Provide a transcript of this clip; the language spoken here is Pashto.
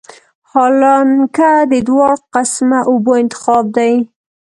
حالانکه د دواړو قسمه اوبو انتخاب